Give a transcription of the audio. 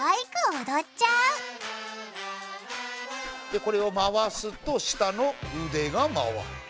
でこれを回すと下の腕が回る。